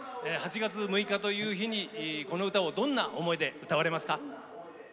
８月６日という日に、この歌をどんな思いで歌われますか？